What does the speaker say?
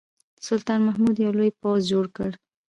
سلطان محمود یو لوی پوځ جوړ کړ.